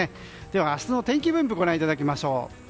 では、明日の天気分布をご覧いただきましょう。